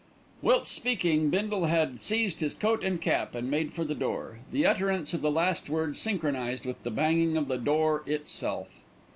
Whilst speaking, Bindle had seized his coat and cap, and made for the door. The utterance of the last word synchronised with the banging of the door itself.